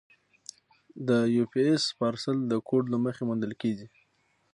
د یو پي ایس پارسل د کوډ له مخې موندل کېږي.